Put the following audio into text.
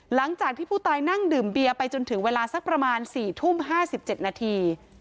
หลังจากที่ผู้ตายนั่งดื่มเบียร์ไปจนถึงเวลาสักประมาณ๔ทุ่ม๕๗นาที